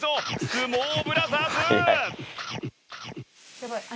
相撲ブラザーズ！